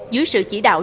dưới sự chỉ đạo